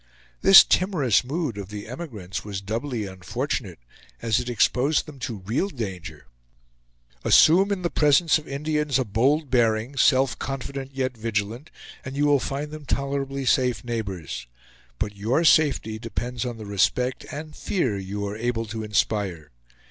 This timorous mood of the emigrants was doubly unfortunate, as it exposed them to real danger. Assume, in the presence of Indians a bold bearing, self confident yet vigilant, and you will find them tolerably safe neighbors. But your safety depends on the respect and fear you are able to inspire.